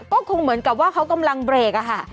ก็คงเหมือนกับว่าเขากำลังเบรกอะค่ะ